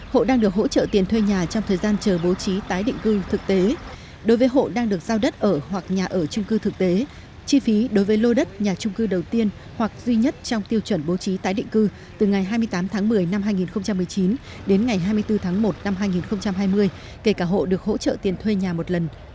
hộ đang được hỗ trợ tiền thuê nhà trong thời gian chờ bố trí tái định cư thực tế đối với hộ đang được giao đất ở hoặc nhà ở trung cư thực tế chi phí đối với lô đất nhà trung cư đầu tiên hoặc duy nhất trong tiêu chuẩn bố trí tái định cư từ ngày hai mươi tám tháng một mươi năm hai nghìn một mươi chín đến ngày hai mươi bốn tháng một năm hai nghìn hai mươi kể cả hộ được hỗ trợ tiền thuê nhà một lần